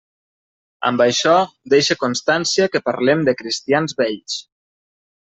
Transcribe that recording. Amb això deixe constància que parlem de cristians vells.